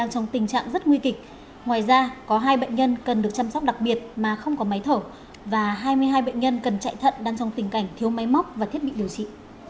trong tình trạng rất nguy kịch ngoài ra có hai bệnh nhân cần được chăm sóc đặc biệt mà không có máy thở và hai mươi hai bệnh nhân cần chạy thận đang trong tình cảnh thiếu máy móc và thiết bị điều trị